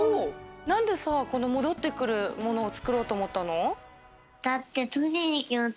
なんでさもどってくるものをつくろうとおもったの？